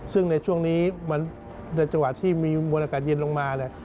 ซึ่งในช่วงนี้ในจังหวะที่มีมวลอากาศเย็นลงมาเนี่ย